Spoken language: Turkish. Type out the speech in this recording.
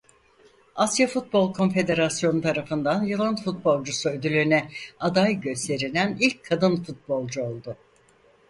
Asya Futbol Konfederasyonu tarafından Yılın Futbolcusu ödülüne aday gösterilen ilk kadın futbolcu oldu.